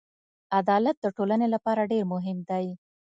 عدالت د ټولنې لپاره ډېر مهم دی.